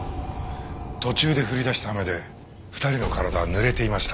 途中で降り出した雨で２人の体は濡れていました。